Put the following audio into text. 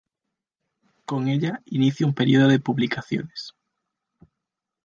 Con ella, inicia un período de publicaciones.